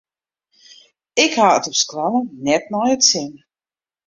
Ik ha it op skoalle net nei it sin.